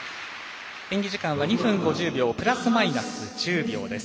演技時間は２分５０秒プラスマイナス１０秒です。